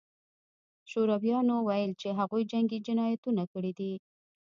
شورویانو ویل چې هغوی جنګي جنایتونه کړي دي